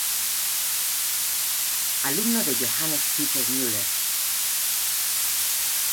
Alumno de Johannes Peter Müller.